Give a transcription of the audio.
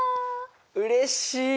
うれしい！